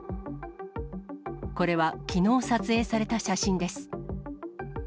これはきのう撮影された写真です。